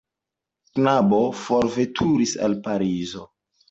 Knabo forveturis al Parizo.